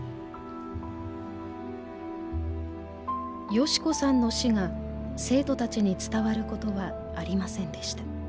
祥子さんの死が生徒たちに伝わることはありませんでした。